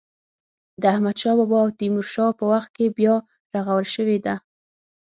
د احمد شا بابا او تیمور شاه په وخت کې بیا رغول شوې ده.